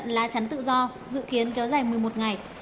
lá chắn tự do dự kiến kéo dài một mươi một ngày